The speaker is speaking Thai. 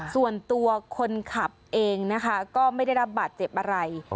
ส่วนตัวคนขับเองนะคะก็ไม่ได้รับบาดเจ็บอะไร